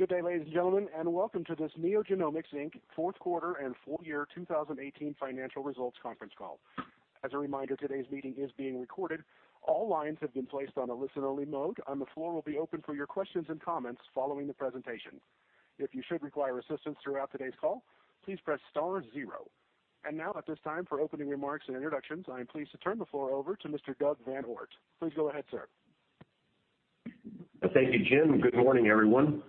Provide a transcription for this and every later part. Good day, ladies and gentlemen, and welcome to this NeoGenomics, Inc. fourth quarter and full year 2018 financial results conference call. As a reminder, today's meeting is being recorded. All lines have been placed on a listen-only mode. The floor will be open for your questions and comments following the presentation. If you should require assistance throughout today's call, please press star zero. Now at this time, for opening remarks and introductions, I am pleased to turn the floor over to Mr. Douglas Van Oort. Please go ahead, sir. Thank you, Operator, and good morning, everyone.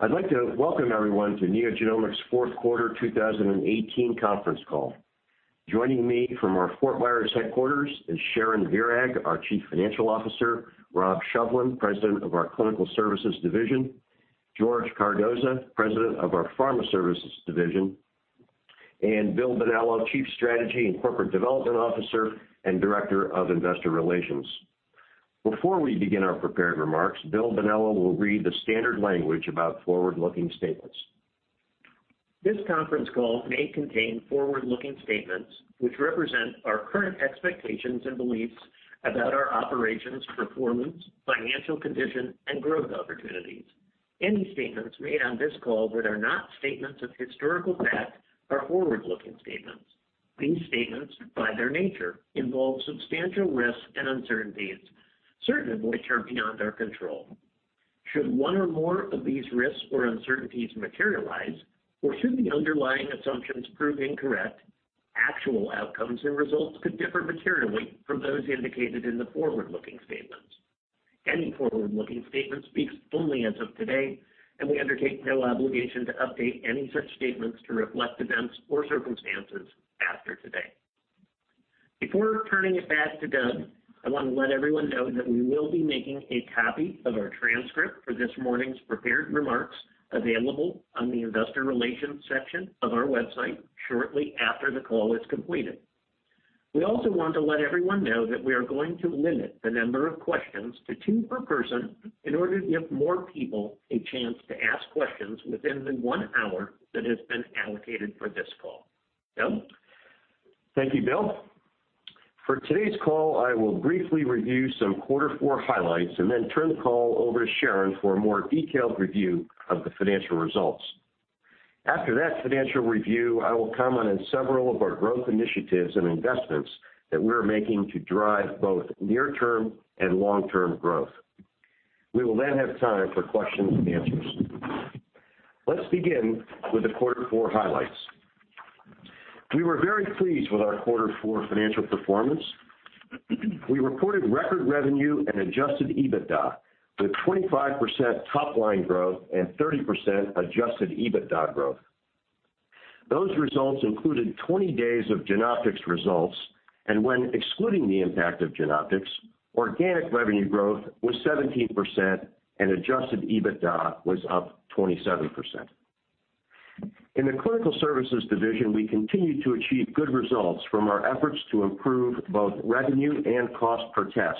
I'd like to welcome everyone to NeoGenomics' fourth quarter 2018 conference call. Joining me from our Fort Myers headquarters is Sharon Virag, our chief financial officer, Robert Shovlin, President of our Clinical Services division, George Cardoza, President of our Pharma Services division, and Bill Bonello, Chief Strategy and Corporate Development Officer and Director of Investor Relations. Before we begin our prepared remarks, Bill Bonello will read the standard language about forward-looking statements. This conference call may contain forward-looking statements which represent our current expectations and beliefs about our operations, performance, financial condition, and growth opportunities. Any statements made on this call that are not statements of historical fact are forward-looking statements. These statements, by their nature, involve substantial risks and uncertainties, certain of which are beyond our control. Should one or more of these risks or uncertainties materialize, or should the underlying assumptions prove incorrect, actual outcomes and results could differ materially from those indicated in the forward-looking statements. Any forward-looking statements speak only as of today, we undertake no obligation to update any such statements to reflect events or circumstances after today. Before turning it back to Doug, I want to let everyone know that we will be making a copy of our transcript for this morning's prepared remarks available on the investor relations section of our website shortly after the call is completed. We also want to let everyone know that we are going to limit the number of questions to two per person in order to give more people a chance to ask questions within the one hour that has been allocated for this call. Doug? Thank you, Bill. For today's call, I will briefly review some quarter four highlights and then turn the call over to Sharon Virag for a more detailed review of the financial results. After that financial review, I will comment on several of our growth initiatives and investments that we're making to drive both near-term and long-term growth. We will then have time for questions and answers. Let's begin with the quarter four highlights. We were very pleased with our quarter four financial performance. We reported record revenue and adjusted EBITDA with 25% top-line growth and 30% adjusted EBITDA growth. Those results included 20 days of Genoptix results, and when excluding the impact of Genoptix, organic revenue growth was 17% and adjusted EBITDA was up 27%. In the Clinical Services division, we continued to achieve good results from our efforts to improve both revenue and cost per test.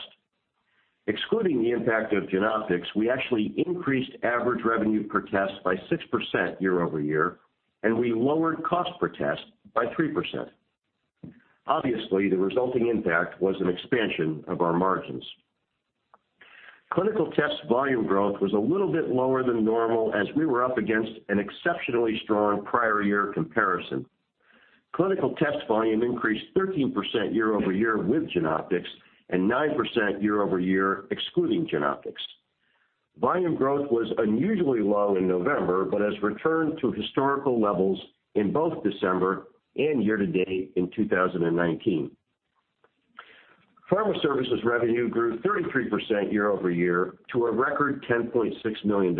Excluding the impact of Genoptix, we actually increased average revenue per test by 6% year-over-year, and we lowered cost per test by 3%. Obviously, the resulting impact was an expansion of our margins. Clinical test volume growth was a little bit lower than normal as we were up against an exceptionally strong prior year comparison. Clinical test volume increased 13% year-over-year with Genoptix and 9% year-over-year excluding Genoptix. Volume growth was unusually low in November, but has returned to historical levels in both December and year to date in 2019. Pharma Services revenue grew 33% year-over-year to a record $10.6 million.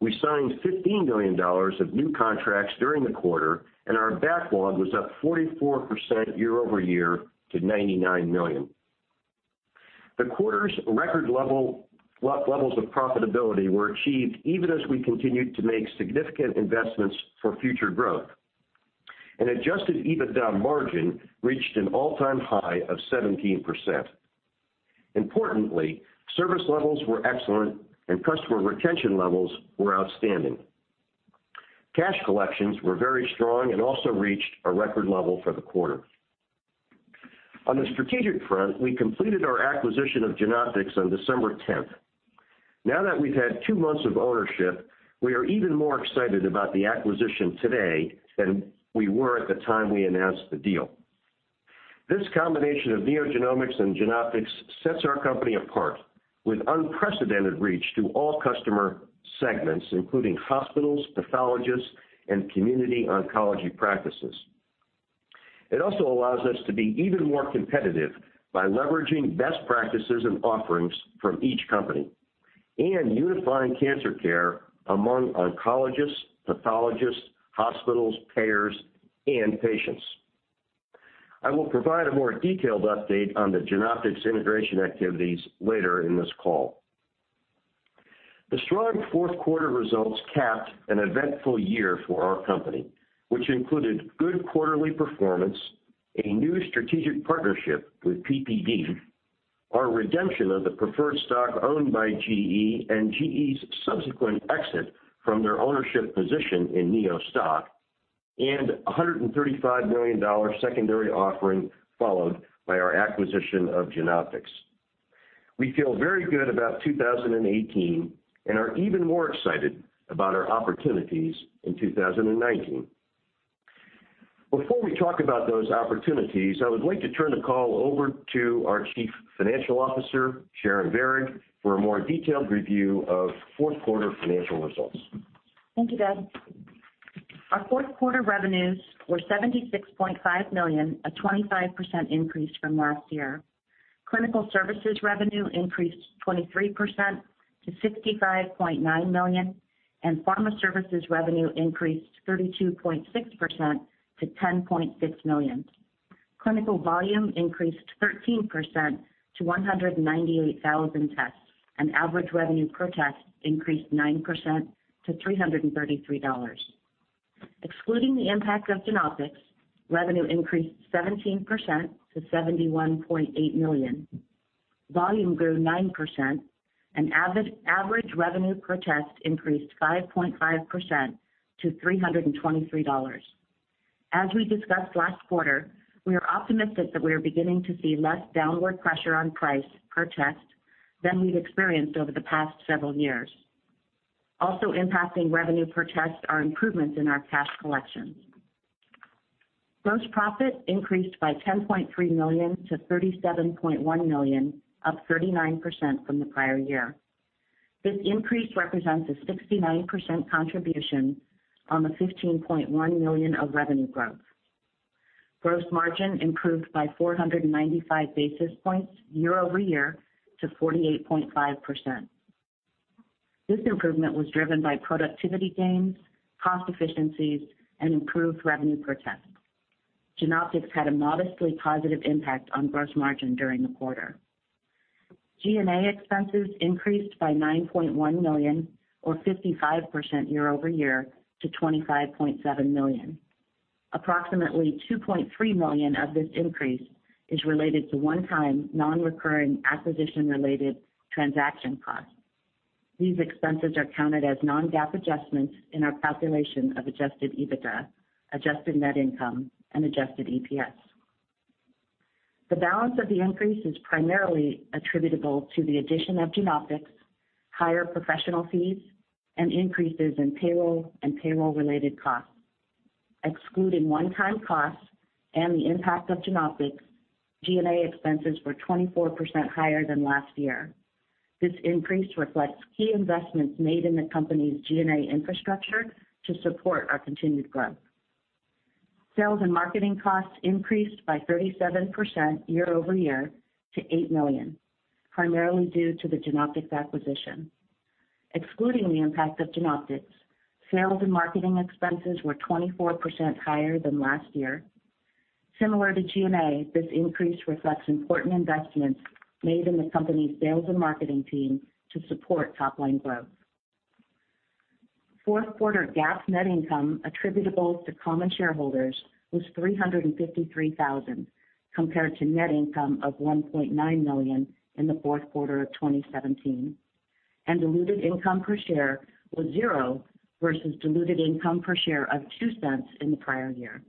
We signed $15 million of new contracts during the quarter, and our backlog was up 44% year-over-year to $99 million. The quarter's record levels of profitability were achieved even as we continued to make significant investments for future growth, and adjusted EBITDA margin reached an all-time high of 17%. Importantly, service levels were excellent and customer retention levels were outstanding. Cash collections were very strong and also reached a record level for the quarter. On the strategic front, we completed our acquisition of Genoptix on December 10th. Now that we've had two months of ownership, we are even more excited about the acquisition today than we were at the time we announced the deal. This combination of NeoGenomics and Genoptix sets our company apart with unprecedented reach to all customer segments, including hospitals, pathologists, and community oncology practices. It also allows us to be even more competitive by leveraging best practices and offerings from each company and unifying cancer care among oncologists, pathologists, hospitals, payers, and patients. I will provide a more detailed update on the Genoptix integration activities later in this call. The strong fourth quarter results capped an eventful year for our company, which included good quarterly performance, a new strategic partnership with PPD, our redemption of the preferred stock owned by GE and GE's subsequent exit from their ownership position in Neo stock and a $135 million secondary offering, followed by our acquisition of Genoptix. We feel very good about 2018 and are even more excited about our opportunities in 2019. Before we talk about those opportunities, I would like to turn the call over to our Chief Financial Officer, Sharon Virag, for a more detailed review of fourth quarter financial results. Thank you, Doug. Our fourth quarter revenues were $76.5 million, a 25% increase from last year. Clinical Services revenue increased 23% to $65.9 million, and Pharma Services revenue increased 32.6% to $10.6 million. Clinical volume increased 13% to 198,000 tests, and average revenue per test increased 9% to $333. Excluding the impact of Genoptix, revenue increased 17% to $71.8 million. Volume grew 9%, and average revenue per test increased 5.5% to $323. As we discussed last quarter, we are optimistic that we are beginning to see less downward pressure on price per test than we've experienced over the past several years. Also impacting revenue per test are improvements in our cash collections. Gross profit increased by $10.3 million to $37.1 million, up 39% from the prior year. This increase represents a 69% contribution on the $15.1 million of revenue growth. Gross margin improved by 495 basis points year-over-year to 48.5%. This improvement was driven by productivity gains, cost efficiencies, and improved revenue per test. Genoptix had a modestly positive impact on gross margin during the quarter. G&A expenses increased by $9.1 million or 55% year-over-year to $25.7 million. Approximately $2.3 million of this increase is related to one-time, non-recurring acquisition-related transaction costs. These expenses are counted as non-GAAP adjustments in our calculation of adjusted EBITDA, adjusted net income and adjusted EPS. The balance of the increase is primarily attributable to the addition of Genoptix, higher professional fees, and increases in payroll and payroll-related costs. Excluding one-time costs and the impact of Genoptix, G&A expenses were 24% higher than last year. This increase reflects key investments made in the company's G&A infrastructure to support our continued growth. Sales and marketing costs increased by 37% year-over-year to $8 million, primarily due to the Genoptix acquisition. Excluding the impact of Genoptix, sales and marketing expenses were 24% higher than last year. Similar to G&A, this increase reflects important investments made in the company's sales and marketing team to support top-line growth. Fourth quarter GAAP net income attributable to common shareholders was $353,000, compared to net income of $1.9 million in the fourth quarter of 2017, and diluted income per share was zero versus diluted income per share of $0.02 in the prior year.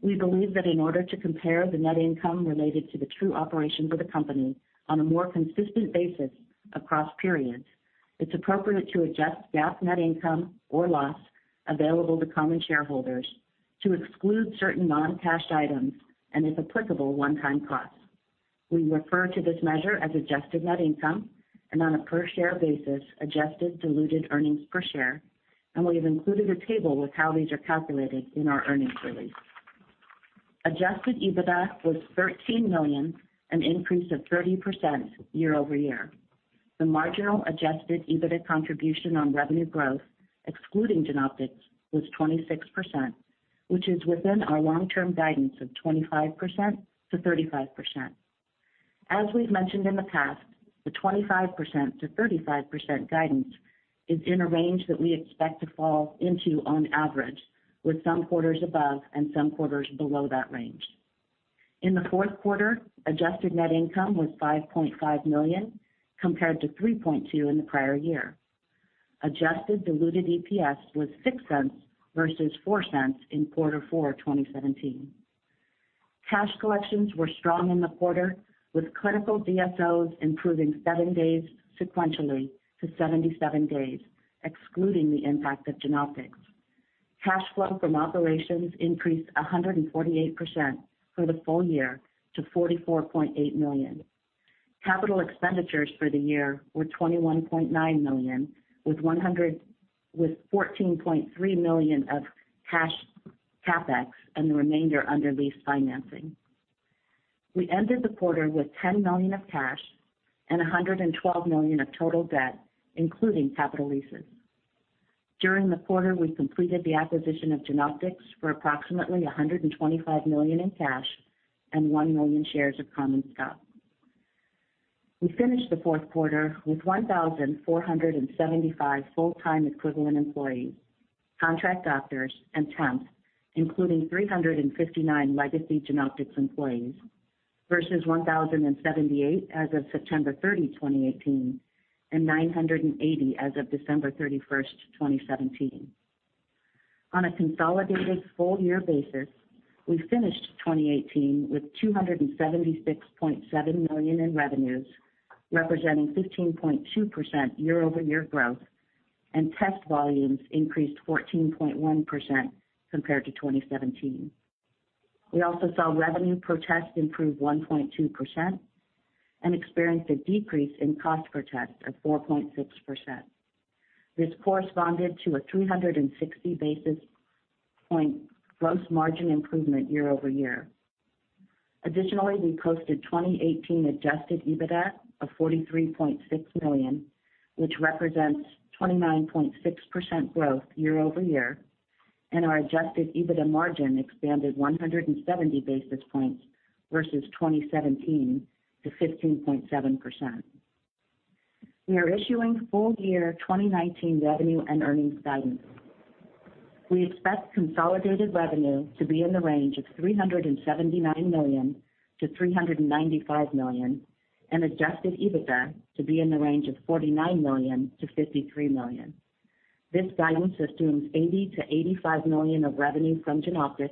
We believe that in order to compare the net income related to the true operation of the company on a more consistent basis across periods, it's appropriate to adjust GAAP net income or loss available to common shareholders to exclude certain non-cash items and, if applicable, one-time costs. We refer to this measure as adjusted net income and on a per-share basis, adjusted diluted earnings per share, and we have included a table with how these are calculated in our earnings release. Adjusted EBITDA was $13 million, an increase of 30% year-over-year. The marginal adjusted EBITDA contribution on revenue growth, excluding Genoptix, was 26%, which is within our long-term guidance of 25%-35%. As we've mentioned in the past, the 25%-35% guidance is in a range that we expect to fall into on average, with some quarters above and some quarters below that range. In the fourth quarter, adjusted net income was $5.5 million, compared to $3.2 million in the prior year. Adjusted diluted EPS was $0.06 versus $0.04 in quarter four 2017. Cash collections were strong in the quarter, with clinical DSOs improving seven days sequentially to 77 days, excluding the impact of Genoptix. Cash flow from operations increased 148% for the full year to $44.8 million. Capital expenditures for the year were $21.9 million, with $14.3 million of cash CapEx and the remainder under lease financing. We ended the quarter with $10 million of cash and $112 million of total debt, including capital leases. During the quarter, we completed the acquisition of Genoptix for approximately $125 million in cash and 1 million shares of common stock. We finished the fourth quarter with 1,475 full-time equivalent employees, contract doctors and temps, including 359 legacy Genoptix employees. Versus 1,078 as of September 30, 2018, and 980 as of December 31st, 2017. On a consolidated full-year basis, we finished 2018 with $276.7 million in revenues, representing 15.2% year-over-year growth, and test volumes increased 14.1% compared to 2017. We also saw revenue per test improve 1.2% and experienced a decrease in cost per test of 4.6%. This corresponded to a 360 basis point gross margin improvement year-over-year. Additionally, we posted 2018 adjusted EBITDA of $43.6 million, which represents 29.6% growth year-over-year, and our adjusted EBITDA margin expanded 170 basis points versus 2017 to 15.7%. We are issuing full-year 2019 revenue and earnings guidance. We expect consolidated revenue to be in the range of $379 million-$395 million and adjusted EBITDA to be in the range of $49 million-$53 million. This guidance assumes $80 million-$85 million of revenue from Genoptix,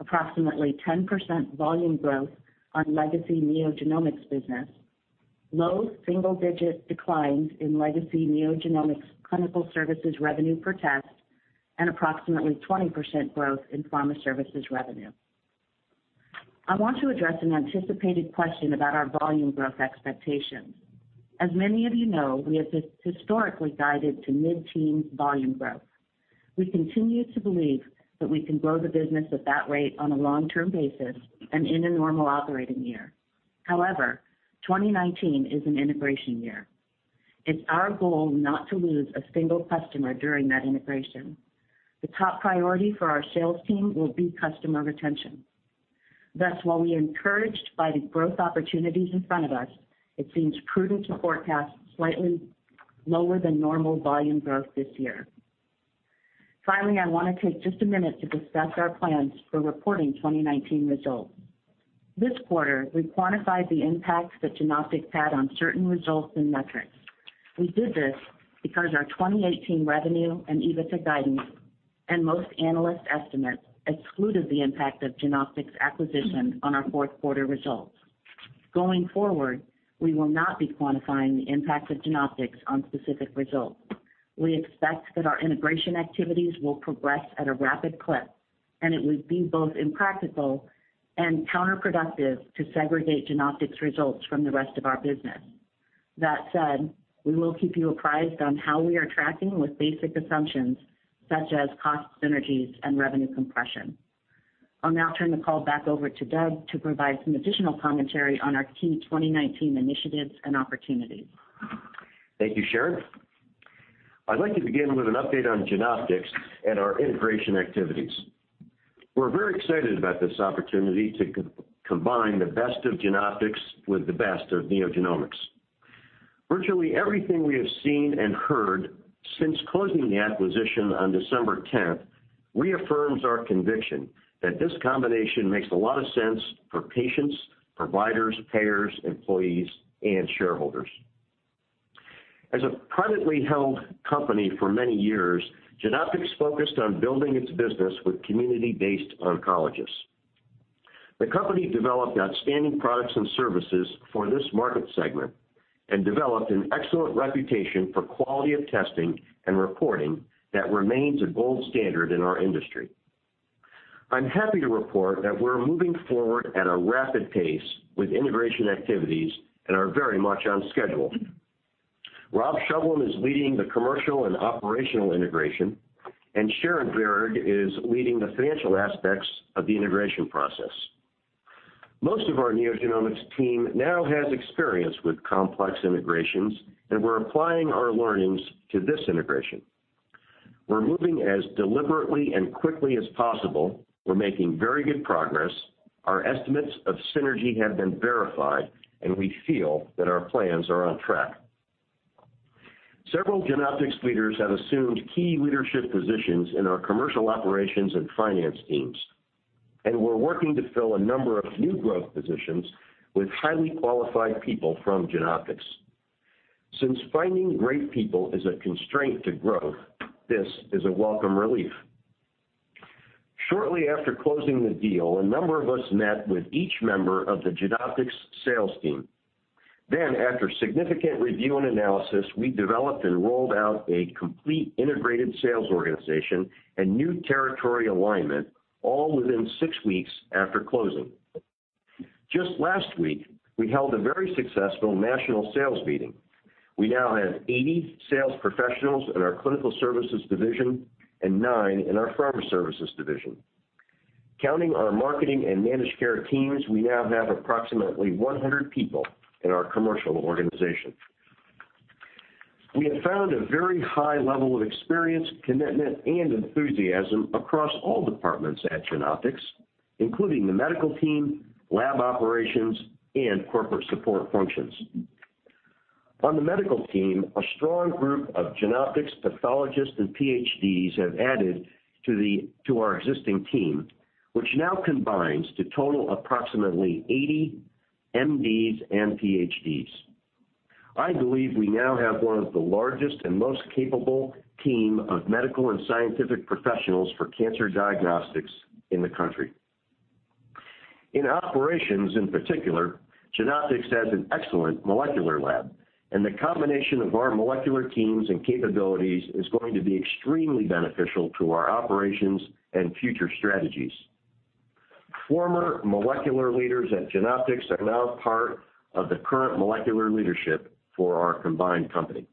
approximately 10% volume growth on legacy NeoGenomics business, low single-digit declines in legacy NeoGenomics Clinical Services revenue per test, and approximately 20% growth in Pharma Services revenue. I want to address an anticipated question about our volume growth expectations. As many of you know, we have historically guided to mid-teens volume growth. We continue to believe that we can grow the business at that rate on a long-term basis and in a normal operating year. However, 2019 is an integration year. It's our goal not to lose a single customer during that integration. The top priority for our sales team will be customer retention. Thus, while we are encouraged by the growth opportunities in front of us, it seems prudent to forecast slightly lower than normal volume growth this year. Finally, I want to take just a minute to discuss our plans for reporting 2019 results. This quarter, we quantified the impacts that Genoptix had on certain results and metrics. We did this because our 2018 revenue and EBITDA guidance and most analyst estimates excluded the impact of Genoptix acquisition on our fourth quarter results. Going forward, we will not be quantifying the impact of Genoptix on specific results. We expect that our integration activities will progress at a rapid clip, and it would be both impractical and counterproductive to segregate Genoptix results from the rest of our business. That said, we will keep you apprised on how we are tracking with basic assumptions such as cost synergies and revenue compression. I'll now turn the call back over to Doug to provide some additional commentary on our key 2019 initiatives and opportunities. Thank you, Sharon. I'd like to begin with an update on Genoptix and our integration activities. We're very excited about this opportunity to combine the best of Genoptix with the best of NeoGenomics. Virtually everything we have seen and heard since closing the acquisition on December 10th reaffirms our conviction that this combination makes a lot of sense for patients, providers, payers, employees, and shareholders. As a privately held company for many years, Genoptix focused on building its business with community-based oncologists. The company developed outstanding products and services for this market segment and developed an excellent reputation for quality of testing and reporting that remains a gold standard in our industry. I'm happy to report that we're moving forward at a rapid pace with integration activities and are very much on schedule. Rob Shovlin is leading the commercial and operational integration, and Sharon Virag is leading the financial aspects of the integration process. Most of our NeoGenomics team now has experience with complex integrations, and we're applying our learnings to this integration. We're moving as deliberately and quickly as possible. We're making very good progress. Our estimates of synergy have been verified, and we feel that our plans are on track. Several Genoptix leaders have assumed key leadership positions in our commercial operations and finance teams, and we're working to fill a number of new growth positions with highly qualified people from Genoptix. Since finding great people is a constraint to growth, this is a welcome relief. Shortly after closing the deal, a number of us met with each member of the Genoptix sales team. After significant review and analysis, we developed and rolled out a complete integrated sales organization and new territory alignment, all within 6 weeks after closing. Just last week, we held a very successful national sales meeting. We now have 80 sales professionals in our Clinical Services division and nine in our Pharma Services division. Counting our marketing and managed care teams, we now have approximately 100 people in our commercial organization. We have found a very high level of experience, commitment, and enthusiasm across all departments at Genoptix, including the medical team, lab operations, and corporate support functions. On the medical team, a strong group of Genoptix pathologists and PhDs have added to our existing team, which now combines to total approximately 80 MDs and PhDs. I believe we now have one of the largest and most capable team of medical and scientific professionals for cancer diagnostics in the country. In operations, in particular, Genoptix has an excellent molecular lab, and the combination of our molecular teams and capabilities is going to be extremely beneficial to our operations and future strategies. Former molecular leaders at Genoptix are now part of the current molecular leadership for our combined company.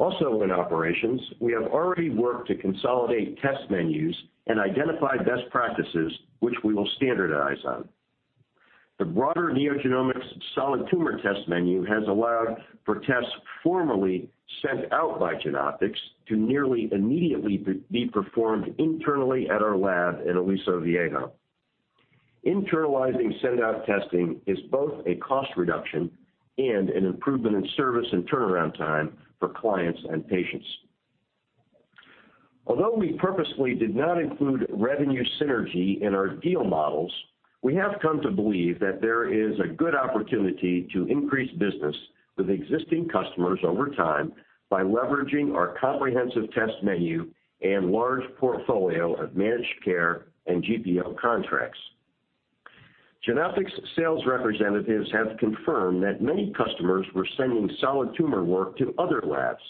In operations, we have already worked to consolidate test menus and identify best practices, which we will standardize on. The broader NeoGenomics solid tumor test menu has allowed for tests formerly sent out by Genoptix to nearly immediately be performed internally at our lab in Aliso Viejo. Internalizing send-out testing is both a cost reduction and an improvement in service and turnaround time for clients and patients. Although we purposefully did not include revenue synergy in our deal models, we have come to believe that there is a good opportunity to increase business with existing customers over time by leveraging our comprehensive test menu and large portfolio of managed care and GPO contracts. Genoptix sales representatives have confirmed that many customers were sending solid tumor work to other labs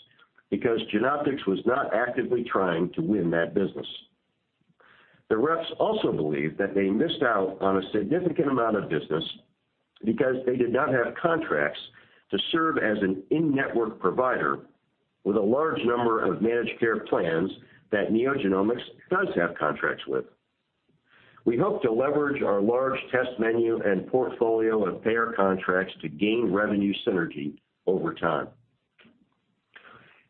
because Genoptix was not actively trying to win that business. The reps also believe that they missed out on a significant amount of business because they did not have contracts to serve as an in-network provider with a large number of managed care plans that NeoGenomics does have contracts with. We hope to leverage our large test menu and portfolio of payer contracts to gain revenue synergy over time.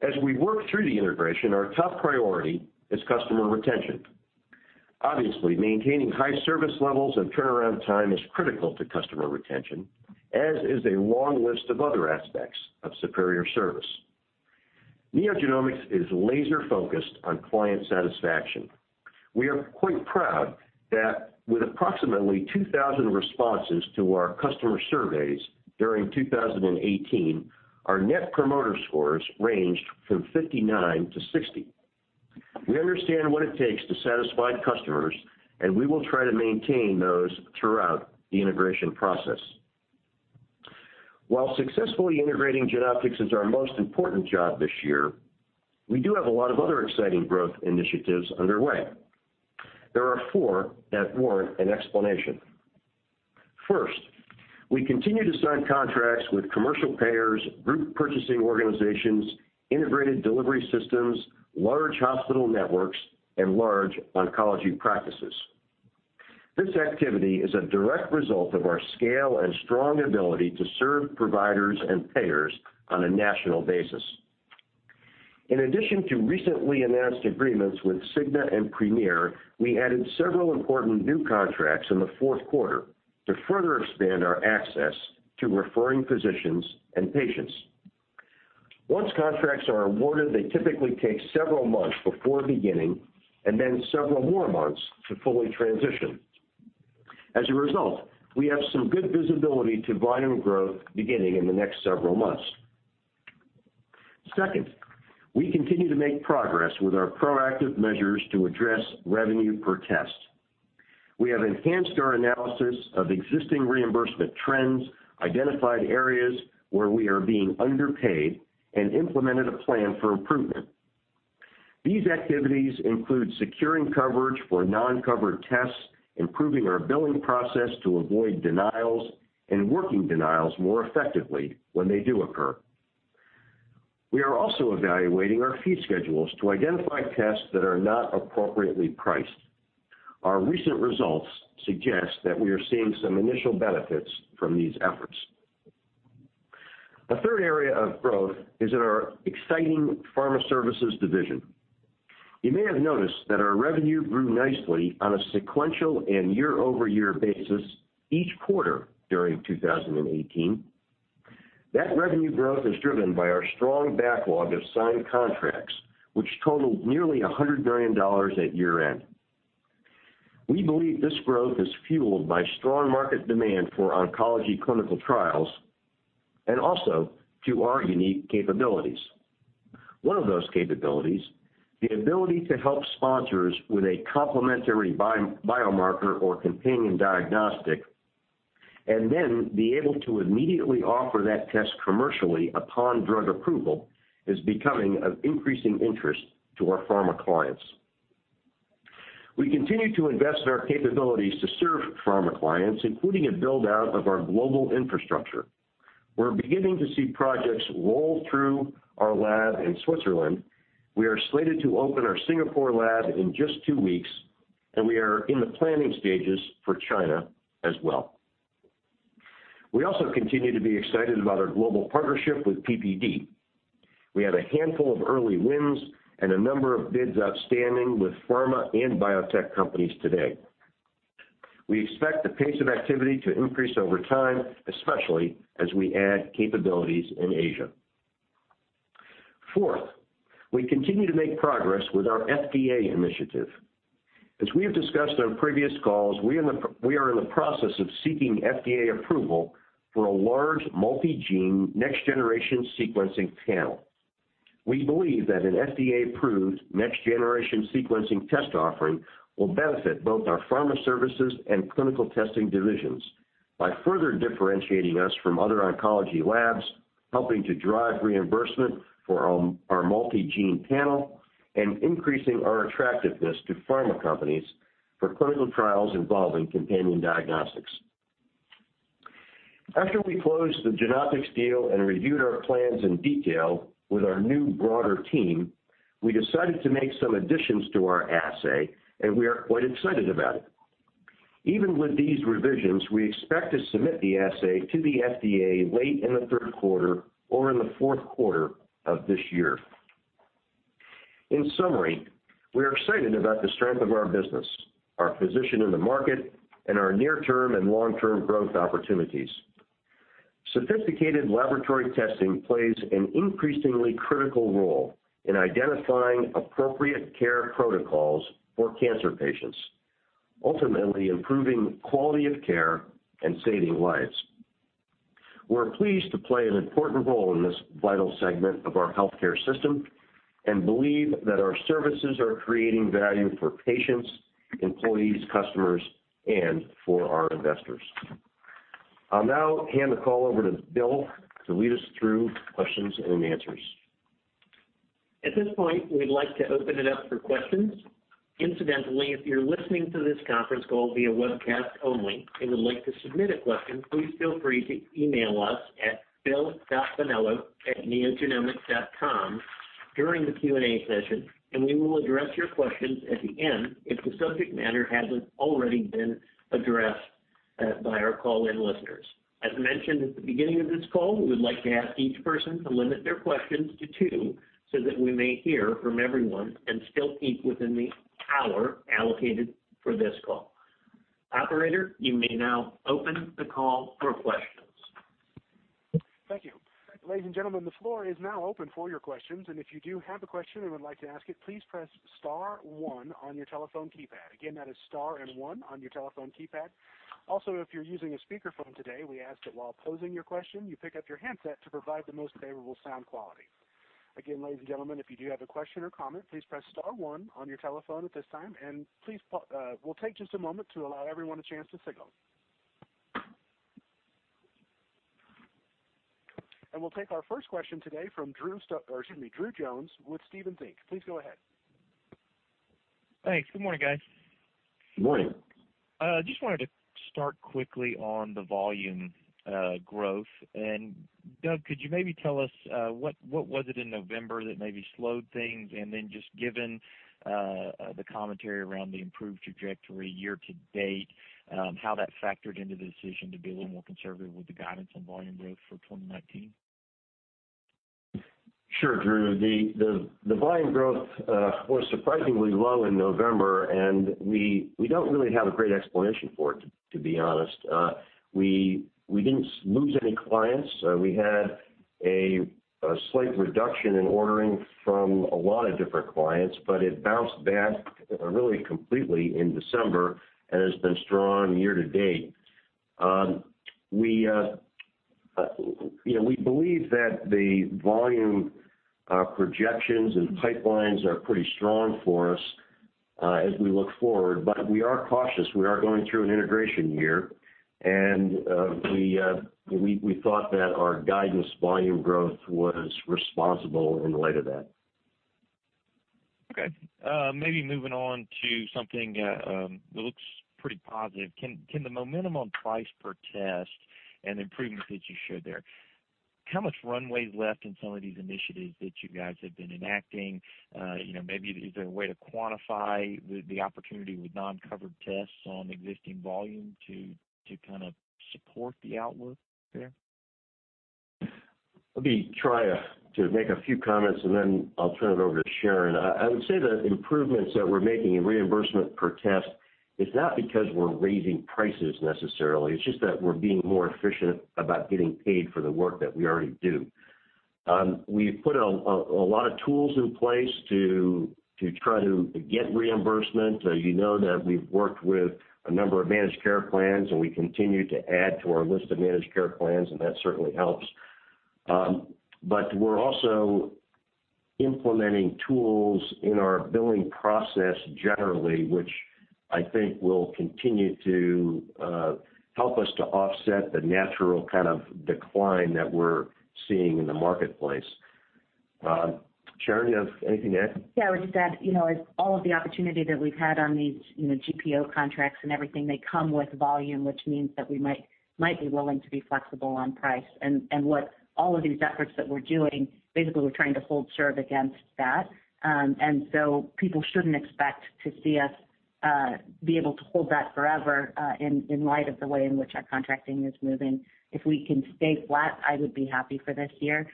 As we work through the integration, our top priority is customer retention. Obviously, maintaining high service levels and turnaround time is critical to customer retention, as is a long list of other aspects of superior service. NeoGenomics is laser-focused on client satisfaction. We are quite proud that with approximately 2,000 responses to our customer surveys during 2018, our Net Promoter Scores ranged from 59 to 60. We understand what it takes to satisfy customers, and we will try to maintain those throughout the integration process. While successfully integrating Genoptix is our most important job this year, we do have a lot of other exciting growth initiatives underway. There are four that warrant an explanation. First, we continue to sign contracts with commercial payers, group purchasing organizations, integrated delivery systems, large hospital networks, and large oncology practices. This activity is a direct result of our scale and strong ability to serve providers and payers on a national basis. In addition to recently announced agreements with Cigna and Premier, we added several important new contracts in the fourth quarter to further expand our access to referring physicians and patients. Once contracts are awarded, they typically take several months before beginning and then several more months to fully transition. As a result, we have some good visibility to volume growth beginning in the next several months. Second, we continue to make progress with our proactive measures to address revenue per test. We have enhanced our analysis of existing reimbursement trends, identified areas where we are being underpaid, and implemented a plan for improvement. These activities include securing coverage for non-covered tests, improving our billing process to avoid denials, and working denials more effectively when they do occur. We are also evaluating our fee schedules to identify tests that are not appropriately priced. Our recent results suggest that we are seeing some initial benefits from these efforts. A third area of growth is in our exciting Pharma Services division. You may have noticed that our revenue grew nicely on a sequential and year-over-year basis each quarter during 2018. That revenue growth is driven by our strong backlog of signed contracts, which totaled nearly $100 million at year-end. We believe this growth is fueled by strong market demand for oncology clinical trials and also to our unique capabilities. One of those capabilities, the ability to help sponsors with a complementary biomarker or companion diagnostic, and then be able to immediately offer that test commercially upon drug approval, is becoming of increasing interest to our pharma clients. We continue to invest in our capabilities to serve pharma clients, including a build-out of our global infrastructure. We're beginning to see projects roll through our lab in Switzerland. We are slated to open our Singapore lab in just two weeks, and we are in the planning stages for China as well. We also continue to be excited about our global partnership with PPD. We have a handful of early wins and a number of bids outstanding with pharma and biotech companies today. We expect the pace of activity to increase over time, especially as we add capabilities in Asia. Fourth, we continue to make progress with our FDA initiative. As we have discussed on previous calls, we are in the process of seeking FDA approval for a large multi-gene next-generation sequencing panel. We believe that an FDA-approved next-generation sequencing test offering will benefit both our Pharma Services and Clinical Services divisions by further differentiating us from other oncology labs, helping to drive reimbursement for our multi-gene panel, and increasing our attractiveness to pharma companies for clinical trials involving companion diagnostics. After we closed the Genoptix deal and reviewed our plans in detail with our new broader team, we decided to make some additions to our assay, and we are quite excited about it. Even with these revisions, we expect to submit the assay to the FDA late in the third quarter or in the fourth quarter of this year. In summary, we are excited about the strength of our business, our position in the market, and our near-term and long-term growth opportunities. Sophisticated laboratory testing plays an increasingly critical role in identifying appropriate care protocols for cancer patients, ultimately improving quality of care and saving lives. We're pleased to play an important role in this vital segment of our healthcare system and believe that our services are creating value for patients, employees, customers, and for our investors. I'll now hand the call over to Bill to lead us through questions and answers. At this point, we'd like to open it up for questions. Incidentally, if you're listening to this conference call via webcast only and would like to submit a question, please feel free to email us at bill.bonello@neogenomics.com during the Q&A session, and we will address your questions at the end if the subject matter hasn't already been addressed by our call-in listeners. As mentioned at the beginning of this call, we would like to ask each person to limit their questions to two so that we may hear from everyone and still keep within the hour allocated for this call. Operator, you may now open the call for questions. Thank you. Ladies and gentlemen, the floor is now open for your questions. If you do have a question and would like to ask it, please press star one on your telephone keypad. Again, that is star and one on your telephone keypad. Also, if you're using a speakerphone today, we ask that while posing your question, you pick up your handset to provide the most favorable sound quality. Again, ladies and gentlemen, if you do have a question or comment, please press star one on your telephone at this time. We'll take just a moment to allow everyone a chance to signal. We'll take our first question today from Drew Jones with Stephens Inc. Please go ahead. Thanks. Good morning, guys. Good morning. Just wanted to start quickly on the volume growth. Doug, could you maybe tell us what was it in November that maybe slowed things? Then just given the commentary around the improved trajectory year-to-date, how that factored into the decision to be a little more conservative with the guidance on volume growth for 2019? Sure, Drew. The volume growth was surprisingly low in November. We don't really have a great explanation for it, to be honest. We didn't lose any clients. We had a slight reduction in ordering from a lot of different clients. It bounced back really completely in December and has been strong year-to-date. We believe that the volume projections and pipelines are pretty strong for us as we look forward. We are cautious. We are going through an integration year. We thought that our guidance volume growth was responsible in light of that. Okay. Maybe moving on to something that looks pretty positive. Can the momentum on price per test and improvements that you showed there, how much runway is left in some of these initiatives that you guys have been enacting? Maybe is there a way to quantify the opportunity with non-covered tests on existing volume to kind of support the outlook there? Let me try to make a few comments. Then I'll turn it over to Sharon. I would say the improvements that we're making in reimbursement per test is not because we're raising prices necessarily. It's just that we're being more efficient about getting paid for the work that we already do. We've put a lot of tools in place to try to get reimbursement. You know that we've worked with a number of managed care plans. We continue to add to our list of managed care plans, and that certainly helps. We're also implementing tools in our billing process generally, which I think will continue to help us to offset the natural kind of decline that we're seeing in the marketplace. Sharon, you have anything to add? Yeah, I would just add, as all of the opportunity that we've had on these GPO contracts and everything, they come with volume, which means that we might be willing to be flexible on price. What all of these efforts that we're doing, basically, we're trying to hold serve against that. People shouldn't expect to see us be able to hold that forever in light of the way in which our contracting is moving. If we can stay flat, I would be happy for this year.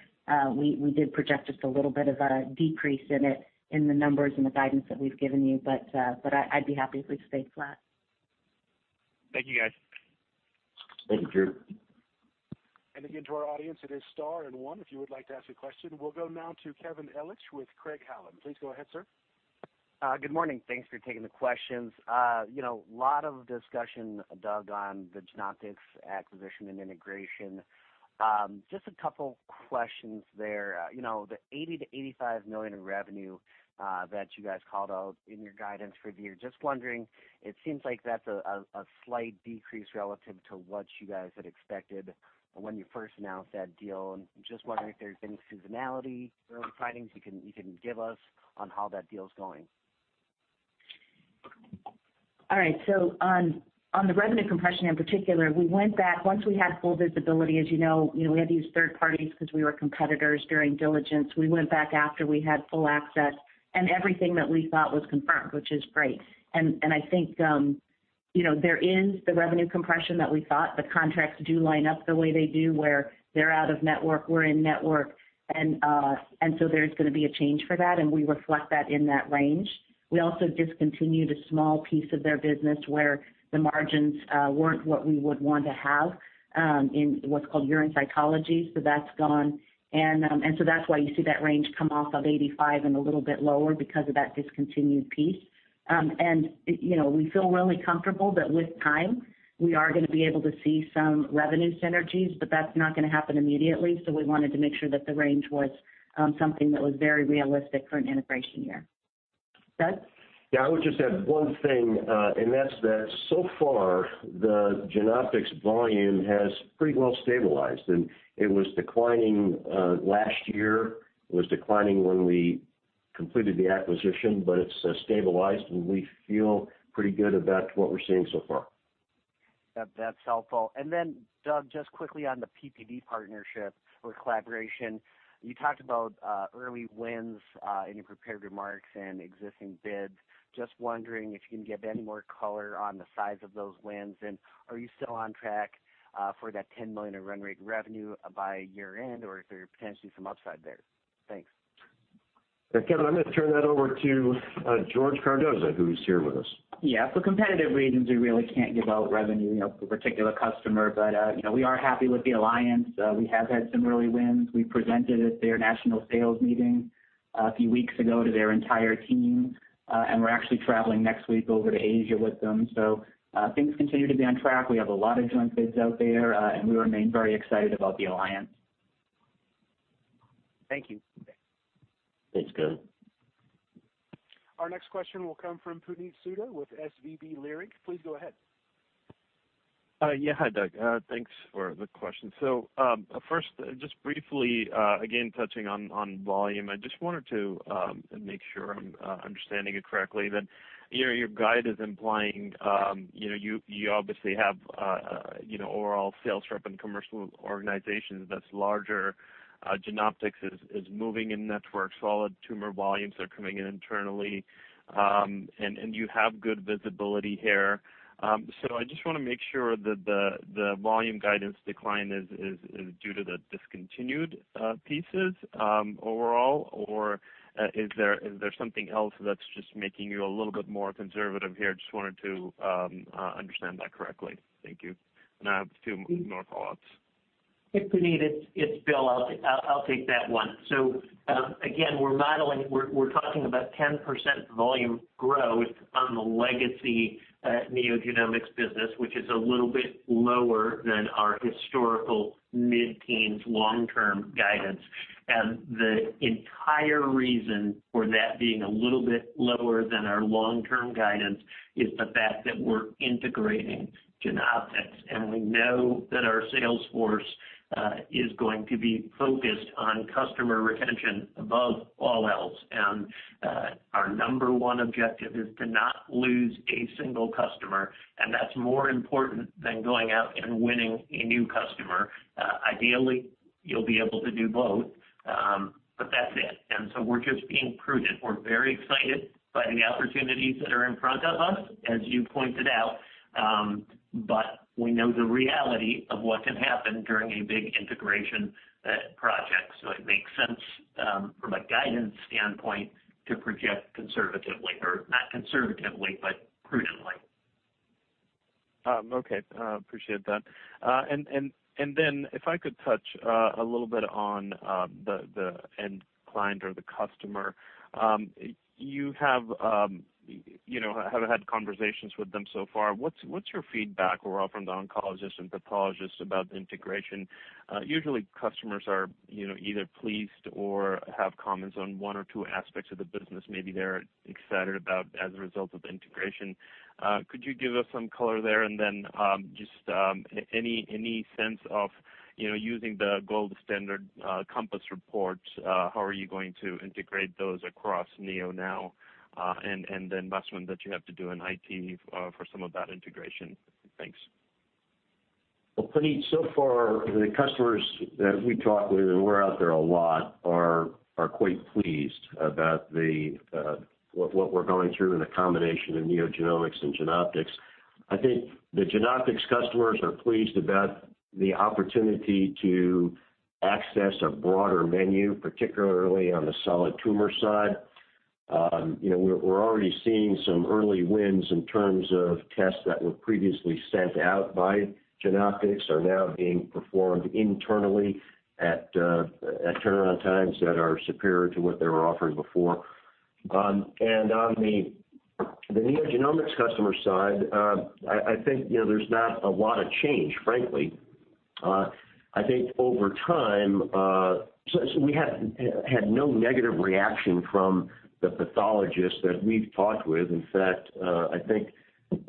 We did project just a little bit of a decrease in it in the numbers and the guidance that we've given you. I'd be happy if we stayed flat. Thank you, guys. Thank you, Drew. Again, to our audience, it is star 1 if you would like to ask a question. We'll go now to Kevin Ellich with Craig-Hallum. Please go ahead, sir. Good morning. Thanks for taking the questions. A lot of discussion, Doug, on the Genoptix acquisition and integration. Just a couple questions there. The $80 million-$85 million in revenue that you guys called out in your guidance for the year, just wondering, it seems like that's a slight decrease relative to what you guys had expected when you first announced that deal, and just wondering if there's any seasonality, early findings you can give us on how that deal's going. All right. On the revenue compression in particular, we went back once we had full visibility. As you know, we had to use third parties because we were competitors during diligence. We went back after we had full access, everything that we thought was confirmed, which is great. I think there is the revenue compression that we thought. The contracts do line up the way they do, where they're out of network, we're in-network. There's going to be a change for that, and we reflect that in that range. We also discontinued a small piece of their business where the margins weren't what we would want to have in what's called urine cytology. That's gone, that's why you see that range come off of 85 and a little bit lower because of that discontinued piece. We feel really comfortable that with time, we are going to be able to see some revenue synergies, but that's not going to happen immediately, so we wanted to make sure that the range was something that was very realistic for an integration year. Doug? I would just add one thing, and that's that so far, the Genoptix volume has pretty well stabilized, and it was declining last year. It was declining when we completed the acquisition, but it's stabilized, and we feel pretty good about what we're seeing so far. That's helpful. Doug, just quickly on the PPD partnership or collaboration, you talked about early wins in your prepared remarks and existing bids. Just wondering if you can give any more color on the size of those wins, are you still on track for that $10 million in run rate revenue by year-end, or is there potentially some upside there? Thanks. Kevin, I'm going to turn that over to George Cardoza, who's here with us. Yeah. For competitive reasons, we really can't give out revenue for a particular customer. We are happy with the alliance. We have had some early wins. We presented at their national sales meeting a few weeks ago to their entire team, and we're actually traveling next week over to Asia with them. Things continue to be on track. We have a lot of joint bids out there, and we remain very excited about the alliance. Thank you. Thanks, Kevin. Our next question will come from Puneet Souda with Leerink Partners. Please go ahead. Yeah. Hi, Doug. Thanks for the question. First, just briefly, again, touching on volume, I just wanted to make sure I'm understanding it correctly, that your guide is implying you obviously have overall sales rep and commercial organizations that's larger. Genoptix is moving in network. Solid tumor volumes are coming in internally, and you have good visibility here. I just want to make sure that the volume guidance decline is due to the discontinued pieces overall, or is there something else that's just making you a little bit more conservative here? Just wanted to understand that correctly. Thank you. I have two more follow-ups. Hey, Puneet, it's Bill. I'll take that one. Again, we're talking about 10% volume growth on the legacy NeoGenomics business, which is a little bit lower than our historical mid-teens long-term guidance. The entire reason for that being a little bit lower than our long-term guidance is the fact that we're integrating Genoptix, and we know that our sales force is going to be focused on customer retention above all else. Our number one objective is to not lose a single customer, and that's more important than going out and winning a new customer. Ideally, you'll be able to do both. That's it. We're just being prudent. We're very excited by the opportunities that are in front of us, as you pointed out, we know the reality of what can happen during a big integration project, it makes sense from a guidance standpoint to project conservatively. Not conservatively, but prudently. Okay. Appreciate that. If I could touch a little bit on the end client or the customer. You have had conversations with them so far. What's your feedback overall from the oncologists and pathologists about the integration? Usually customers are either pleased or have comments on one or two aspects of the business maybe they're excited about as a result of the integration. Could you give us some color there? Just any sense of using the gold standard COMPASS reports, how are you going to integrate those across NeoGenomics now? Last one that you have to do in IT for some of that integration. Thanks. Puneet, so far the customers that we talk with, and we're out there a lot, are quite pleased about what we're going through and the combination of NeoGenomics and Genoptix. I think the Genoptix customers are pleased about the opportunity to access a broader menu, particularly on the solid tumor side. We're already seeing some early wins in terms of tests that were previously sent out by Genoptix are now being performed internally at turnaround times that are superior to what they were offering before. On the NeoGenomics customer side, I think, there's not a lot of change, frankly. I think over time. We had no negative reaction from the pathologists that we've talked with. In fact, I think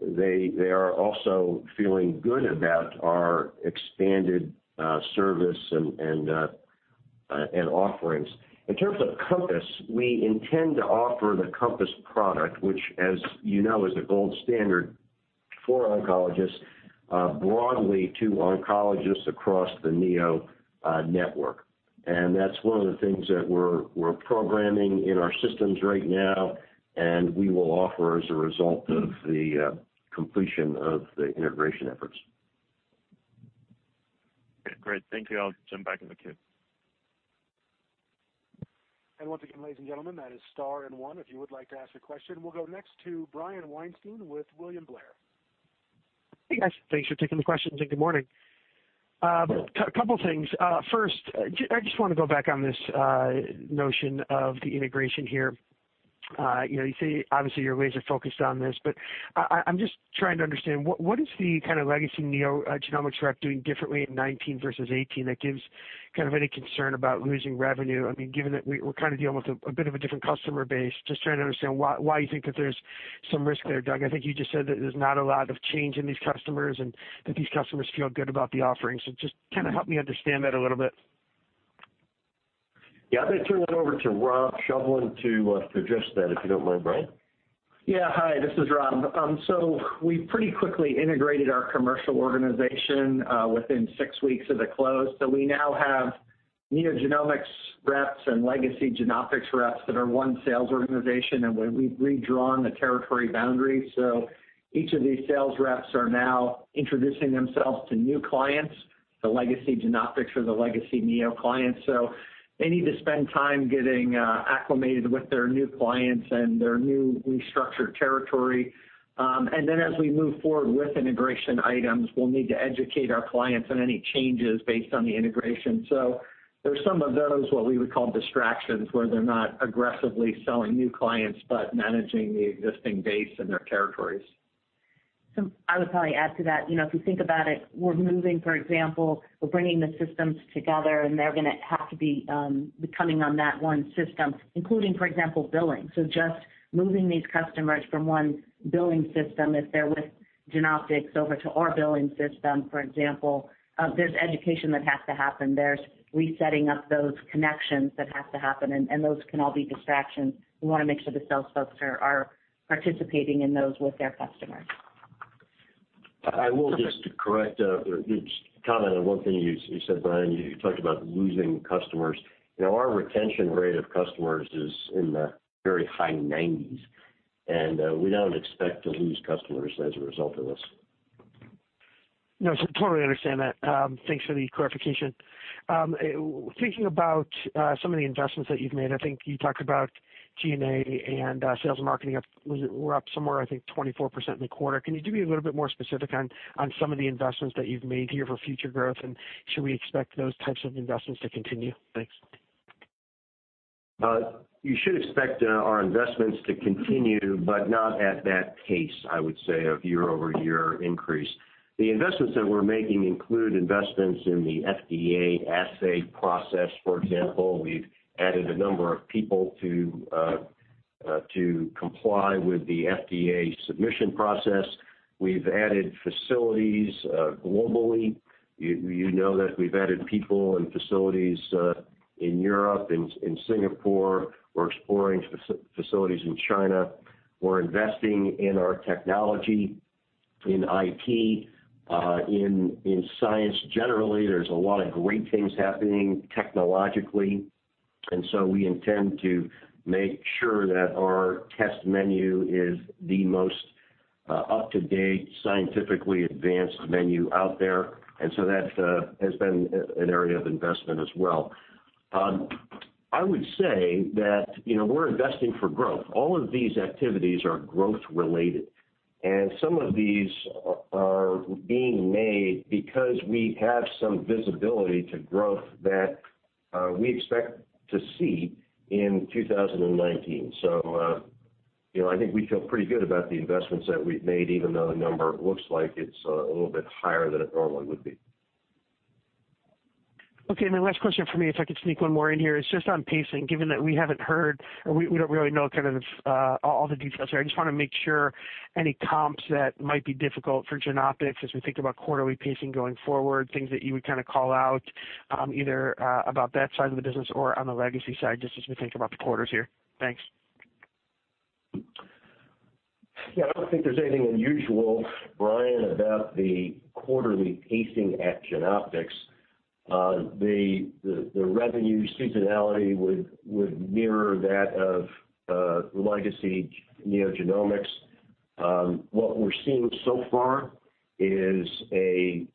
they are also feeling good about our expanded service and offerings. In terms of COMPASS, we intend to offer the COMPASS product, which, as you know, is a gold standard for oncologists, broadly to oncologists across the Neo network. That's one of the things that we're programming in our systems right now, and we will offer as a result of the completion of the integration efforts. Great. Thank you. I'll jump back in the queue. Once again, ladies and gentlemen, that is star and one if you would like to ask a question. We'll go next to Brian Weinstein with William Blair. Hey, guys. Thanks for taking the questions, and good morning. A couple things. First, I just want to go back on this notion of the integration here. You say, obviously, you're laser-focused on this, but I'm just trying to understand, what is the kind of legacy NeoGenomics rep doing differently in 2019 versus 2018 that gives kind of any concern about losing revenue? Given that we're kind of dealing with a bit of a different customer base, just trying to understand why you think that there's some risk there, Doug. I think you just said that there's not a lot of change in these customers and that these customers feel good about the offerings. Just kind of help me understand that a little bit. Yeah. I'm going to turn it over to Robert Shovlin to address that, if you don't mind, Brian. Yeah. Hi, this is Rob. We pretty quickly integrated our commercial organization within six weeks of the close. We now have NeoGenomics reps and legacy Genoptix reps that are one sales organization, and we've redrawn the territory boundaries. Each of these sales reps are now introducing themselves to new clients, the legacy Genoptix or the legacy Neo clients. They need to spend time getting acclimated with their new clients and their new restructured territory. Then as we move forward with integration items, we'll need to educate our clients on any changes based on the integration. There's some of those, what we would call distractions, where they're not aggressively selling new clients, but managing the existing base in their territories. I would probably add to that. If you think about it, we're moving, for example, we're bringing the systems together, and they're going to have to be coming on that one system, including, for example, billing. Just moving these customers from one billing system, if they're with Genoptix, over to our billing system, for example, there's education that has to happen. There's resetting up those connections that have to happen, and those can all be distractions. We want to make sure the sales folks are participating in those with their customers. I will just correct or just comment on one thing you said, Brian. You talked about losing customers. Our retention rate of customers is in the very high 90s. We don't expect to lose customers as a result of this. No, totally understand that. Thanks for the clarification. Thinking about some of the investments that you've made, I think you talked about G&A and sales and marketing were up somewhere, I think, 24% in the quarter. Can you be a little bit more specific on some of the investments that you've made here for future growth? Should we expect those types of investments to continue? Thanks. You should expect our investments to continue, but not at that pace, I would say, of year-over-year increase. The investments that we're making include investments in the FDA assay process, for example. We've added a number of people to comply with the FDA submission process. We've added facilities globally. You know that we've added people and facilities in Europe, in Singapore. We're exploring facilities in China. We're investing in our technology, in IT, in science generally. There's a lot of great things happening technologically. We intend to make sure that our test menu is the most up-to-date, scientifically advanced menu out there. That has been an area of investment as well. I would say that we're investing for growth. All of these activities are growth-related, and some of these are being made because we have some visibility to growth that we expect to see in 2019. I think we feel pretty good about the investments that we've made, even though the number looks like it's a little bit higher than it normally would be. Last question for me, if I could sneak one more in here. It's just on pacing, given that we haven't heard or we don't really know kind of all the details there. I just want to make sure any comps that might be difficult for Genoptix as we think about quarterly pacing going forward, things that you would kind of call out, either about that side of the business or on the legacy side, just as we think about the quarters here. Thanks. I don't think there's anything unusual, Brian, about the quarterly pacing at Genoptix. The revenue seasonality would mirror that of legacy NeoGenomics. What we're seeing so far is a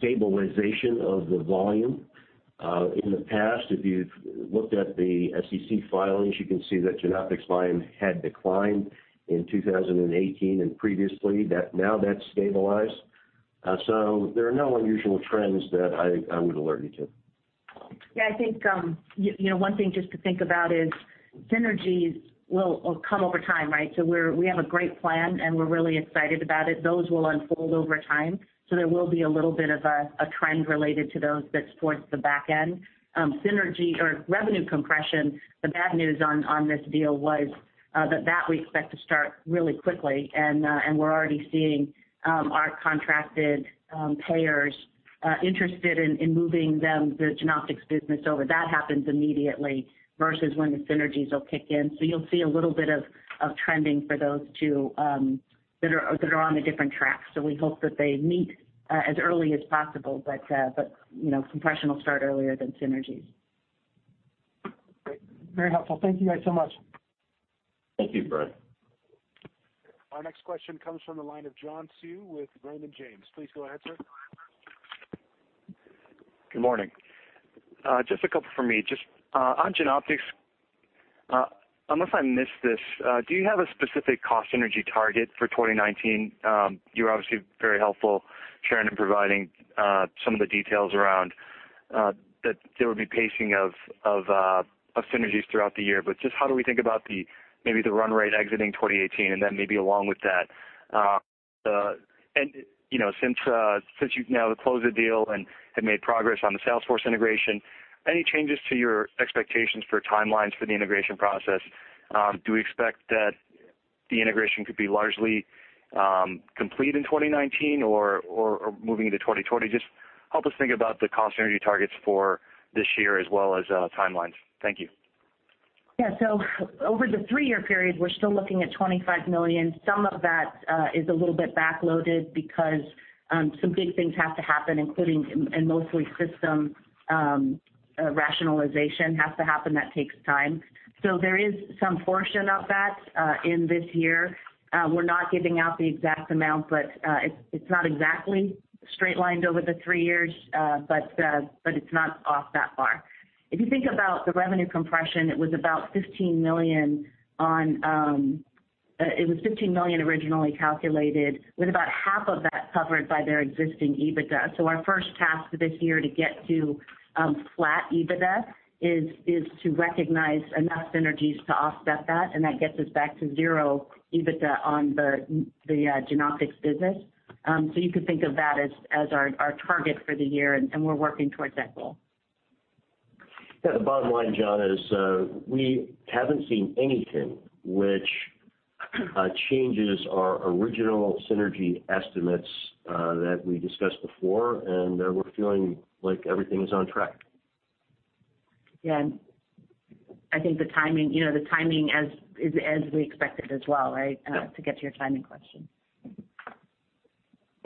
stabilization of the volume. In the past, if you've looked at the SEC filings, you can see that Genoptix volume had declined in 2018 and previously. Now that's stabilized. There are no unusual trends that I would alert you to. I think one thing just to think about is synergies will come over time, right? We have a great plan, and we're really excited about it. Those will unfold over time. There will be a little bit of a trend related to those that's towards the back end. Revenue compression, the bad news on this deal was that we expect to start really quickly, and we're already seeing our contracted payers interested in moving the Genoptix business over. That happens immediately versus when the synergies will kick in. You'll see a little bit of trending for those two that are on the different tracks. We hope that they meet as early as possible, compression will start earlier than synergies. Great. Very helpful. Thank you guys so much. Thank you, Brian. Our next question comes from the line of John Hsu with Raymond James. Please go ahead, sir. Good morning. Just a couple from me. Just on Genoptix, unless I missed this, do you have a specific cost synergy target for 2019? You were obviously very helpful, Sharon, in providing some of the details around that there would be pacing of synergies throughout the year. Just how do we think about maybe the run rate exiting 2018? Maybe along with that, since you've now closed the deal and have made progress on the Salesforce integration, any changes to your expectations for timelines for the integration process? Do we expect that the integration could be largely complete in 2019 or moving into 2020? Just help us think about the cost synergy targets for this year as well as timelines. Thank you. Yeah. Over the three-year period, we're still looking at $25 million. Some of that is a little bit back-loaded because some big things have to happen, and mostly system rationalization has to happen. That takes time. There is some portion of that in this year. We're not giving out the exact amount, but it's not exactly straight-lined over the three years. It's not off that far. If you think about the revenue compression, it was $15 million originally calculated, with about half of that covered by their existing EBITDA. Our first task this year to get to flat EBITDA is to recognize enough synergies to offset that, and that gets us back to zero EBITDA on the Genoptix business. You could think of that as our target for the year, and we're working towards that goal. Yeah. The bottom line, John, is we haven't seen anything which changes our original synergy estimates that we discussed before, and we're feeling like everything is on track. Yeah. I think the timing is as we expected as well, right? Yeah. To get to your timing question.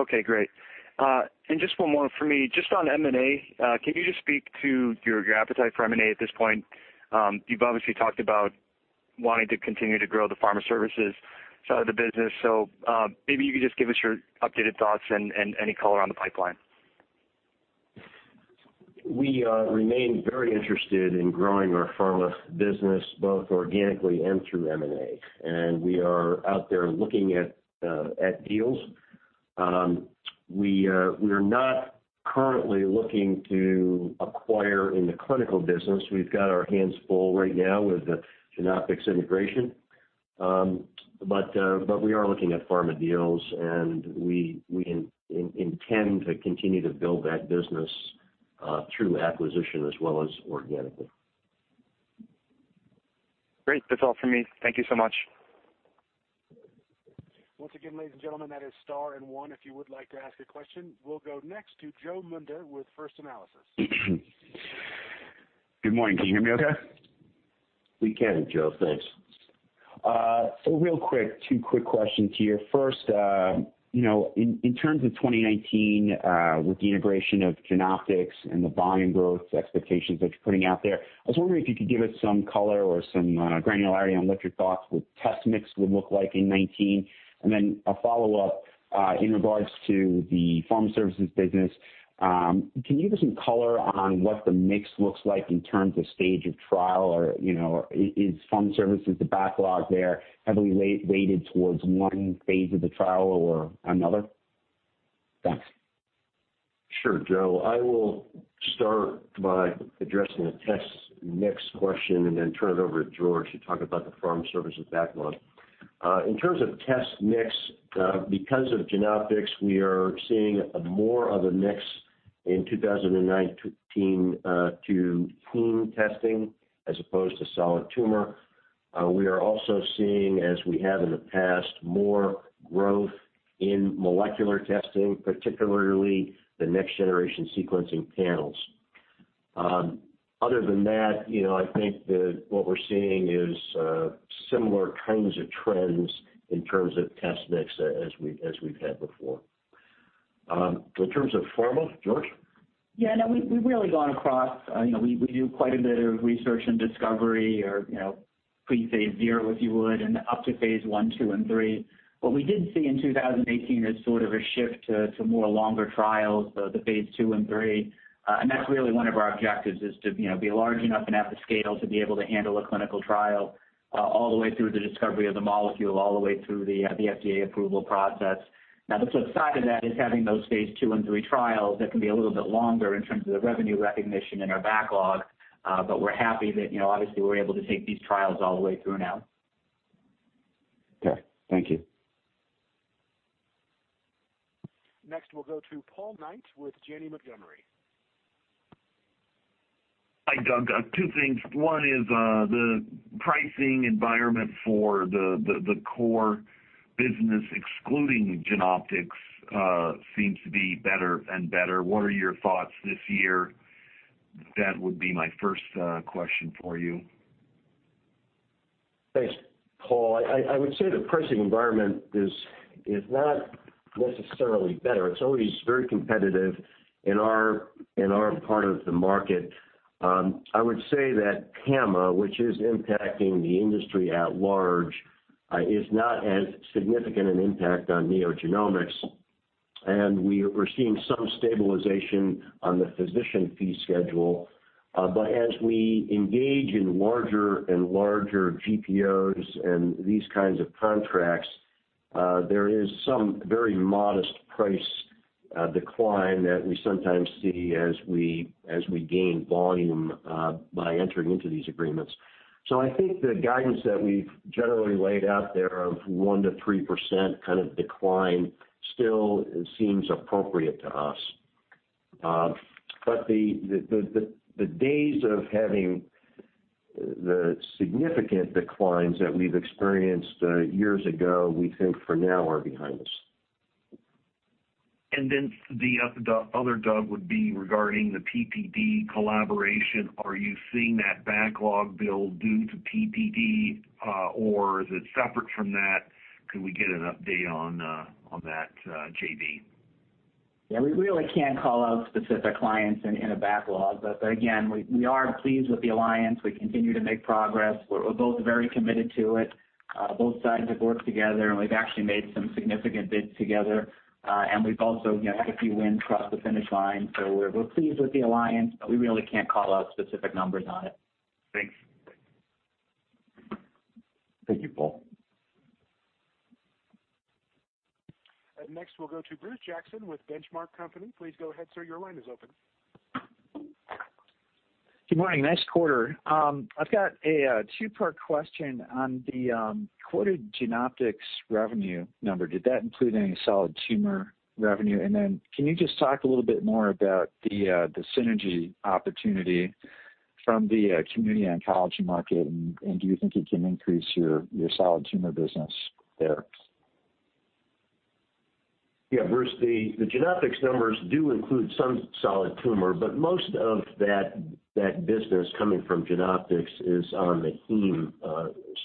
Okay, great. Just one more from me, just on M&A. Can you just speak to your appetite for M&A at this point? You've obviously talked about wanting to continue to grow the Pharma Services side of the business. Maybe you could just give us your updated thoughts and any color on the pipeline. We remain very interested in growing our Pharma business, both organically and through M&A. We are out there looking at deals. We are not currently looking to acquire in the Clinical business. We've got our hands full right now with the Genoptix integration. We are looking at Pharma deals, and we intend to continue to build that business through acquisition as well as organically. Great. That's all for me. Thank you so much. Once again, ladies and gentlemen, that is star and one if you would like to ask a question. We'll go next to Joe Munda with First Analysis. Good morning. Can you hear me okay? We can, Joe. Thanks. Real quick, two quick questions here. First, in terms of 2019, with the integration of Genoptix and the volume growth expectations that you're putting out there, I was wondering if you could give us some color or some granularity on what your thoughts with test mix would look like in 2019. Then a follow-up in regards to the Pharma Services business. Can you give us some color on what the mix looks like in terms of stage of trial, or is Pharma Services, the backlog there, heavily weighted towards one phase of the trial or another? Thanks. Sure, Joe. I will start by addressing the test mix question and then turn it over to George to talk about the Pharma Services backlog. In terms of test mix, because of Genoptix, we are seeing more of a mix in 2019 to gene testing as opposed to solid tumor. We are also seeing, as we have in the past, more growth in molecular testing, particularly the next-generation sequencing panels. Other than that, I think that what we're seeing is similar kinds of trends in terms of test mix as we've had before. In terms of Pharma, George? We've really gone across. We do quite a bit of research and discovery or pre-phase 0, if you would, and up to phase I, II and III. What we did see in 2018 is sort of a shift to more longer trials, the phase II and III. That's really one of our objectives is to be large enough and at the scale to be able to handle a clinical trial, all the way through the discovery of the molecule, all the way through the FDA approval process. The flip side of that is having those phase II and III trials that can be a little bit longer in terms of the revenue recognition in our backlog. We're happy that obviously we're able to take these trials all the way through now. Okay. Thank you. Next, we'll go to Paul Knight with Janney Montgomery. Hi, Doug. Two things. One is, the pricing environment for the core business, excluding Genoptix, seems to be better and better. What are your thoughts this year? That would be my first question for you. Thanks, Paul. I would say the pricing environment is not necessarily better. It's always very competitive in our part of the market. I would say that PAMA, which is impacting the industry at large, is not as significant an impact on NeoGenomics. We're seeing some stabilization on the Physician Fee Schedule. As we engage in larger and larger GPOs and these kinds of contracts, there is some very modest price decline that we sometimes see as we gain volume, by entering into these agreements. I think the guidance that we've generally laid out there of 1%-3% kind of decline still seems appropriate to us. The days of having the significant declines that we've experienced years ago, we think for now, are behind us. The other, Doug, would be regarding the PPD collaboration. Are you seeing that backlog build due to PPD, or is it separate from that? Can we get an update on that JV? Yeah, we really can't call out specific clients in a backlog. Again, we are pleased with the alliance. We continue to make progress. We're both very committed to it. Both sides have worked together, and we've actually made some significant bids together. We've also had a few wins cross the finish line. We're pleased with the alliance, but we really can't call out specific numbers on it. Thanks. Thank you, Paul. Next we'll go to Bruce Jackson with The Benchmark Company. Please go ahead, sir. Your line is open. Good morning. Nice quarter. I've got a two-part question. On the quoted Genoptix revenue number, did that include any solid tumor revenue? Then can you just talk a little bit more about the synergy opportunity from the community oncology market, and do you think it can increase your solid tumor business there? Yeah, Bruce, the Genoptix numbers do include some solid tumor, but most of that business coming from Genoptix is on the heme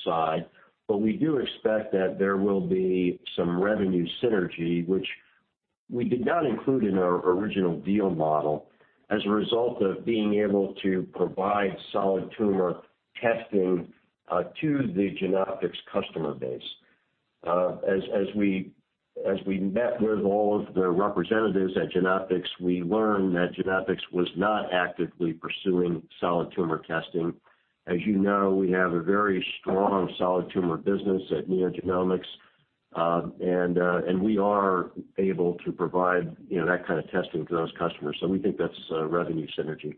side. We do expect that there will be some revenue synergy, which we did not include in our original deal model, as a result of being able to provide solid tumor testing to the Genoptix customer base. As we met with all of the representatives at Genoptix, we learned that Genoptix was not actively pursuing solid tumor testing. As you know, we have a very strong solid tumor business at NeoGenomics, we are able to provide that kind of testing to those customers. We think that's a revenue synergy.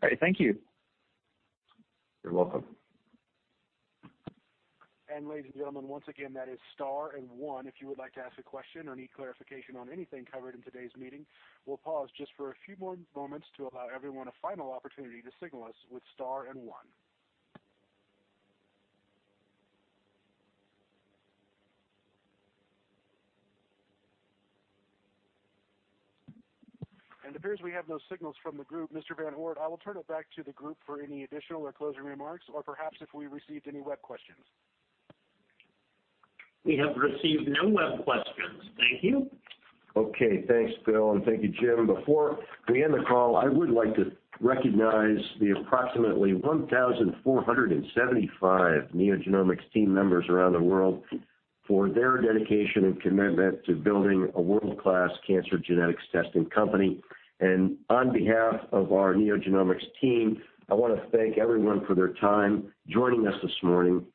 Great. Thank you. You're welcome. Ladies and gentlemen, once again, that is star and one, if you would like to ask a question or need clarification on anything covered in today's meeting. We'll pause just for a few more moments to allow everyone a final opportunity to signal us with star and one. It appears we have no signals from the group. Mr. Van Oort, I will turn it back to the group for any additional or closing remarks or perhaps if we received any web questions. We have received no web questions. Thank you. Okay. Thanks, Bill, and thank you, Jim. Before we end the call, I would like to recognize the approximately 1,475 NeoGenomics team members around the world for their dedication and commitment to building a world-class cancer genetics testing company. On behalf of our NeoGenomics team, I want to thank everyone for their time joining us this morning.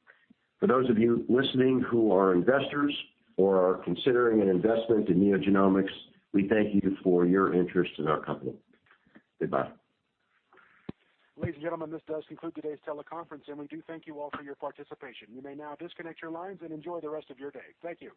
For those of you listening who are investors or are considering an investment in NeoGenomics, we thank you for your interest in our company. Goodbye. Ladies and gentlemen, this does conclude today's teleconference, and we do thank you all for your participation. You may now disconnect your lines and enjoy the rest of your day. Thank you.